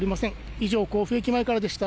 以上、甲府駅前からでした。